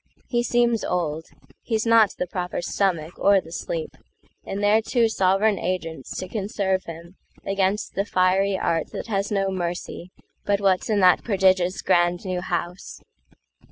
He seems old; He's not the proper stomach or the sleep—And they're two sovran agents to conserve himAgainst the fiery art that has no mercyBut what's in that prodigious grand new House.